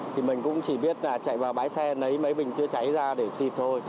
thì mình cũng chỉ biết là chạy vào bãi xe lấy mấy bình chữa cháy ra để xịt thôi